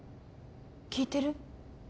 聞いてる？